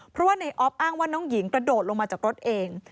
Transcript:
เพราะว่าในออฟอ้างว่าน้องหญิงกระโดดลงมาจากรถเอง